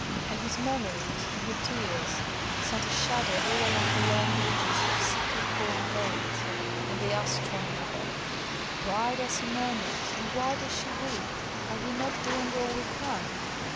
And his murmurings and her tears sent a shudder all along the long ridges of sickly corn blades, and they asked one another, "Why does he murmur? and, Why does she weep? Are we not doing all we can?